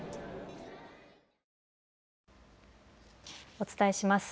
お伝えします。